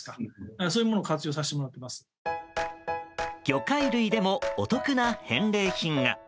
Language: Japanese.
魚介類でもお得な返礼品が。